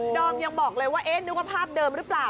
อมยังบอกเลยว่าเอ๊ะนึกว่าภาพเดิมหรือเปล่า